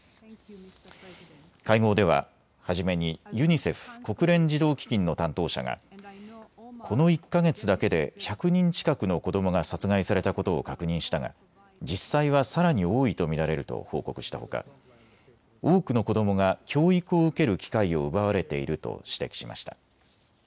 会合では初めにユニセフ・国連児童基金の担当者がこの１か月だけで１００人近くの子どもが殺害されたことを確認したが実際はさらに多いと見られると報告したほか多くの子どもが教育を受ける機会を奪われていると指摘しました。